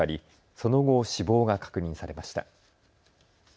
その後、死亡が確認されました。